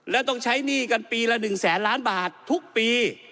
แล้วต้องใช้หนี้กันปีละ๑แสนล้านบาททุกปี